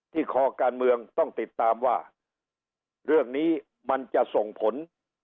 คอการเมืองต้องติดตามว่าเรื่องนี้มันจะส่งผล